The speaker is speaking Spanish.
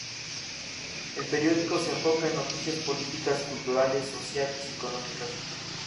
El periódico se enfoca en noticias políticas, culturales, sociales y económicas.